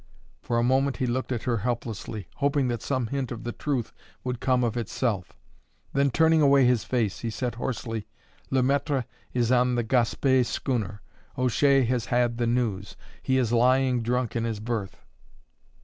For a moment he looked at her helplessly, hoping that some hint of the truth would come of itself; then, turning away his face, he said hoarsely: "Le Maître is on the Gaspé schooner. O'Shea has had the news. He is lying drunk in his berth."